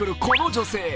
この女性。